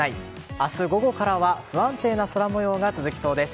明日午後からは不安定な空模様が続きそうです。